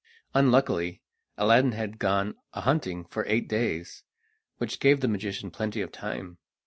Unluckily, Aladdin had gone a hunting for eight days, which gave the magician plenty of time.